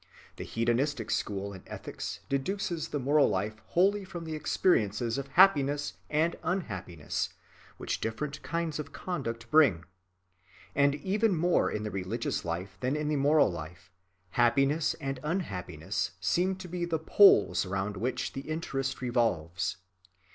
The hedonistic school in ethics deduces the moral life wholly from the experiences of happiness and unhappiness which different kinds of conduct bring; and, even more in the religious life than in the moral life, happiness and unhappiness seem to be the poles round which the interest revolves.